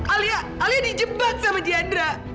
alia alia dijembat sama diandra